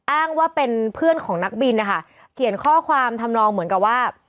อ้างว่าเป็นเพื่อนของนักบินนะคะเขียนข้อความทำนองเหมือนกับว่า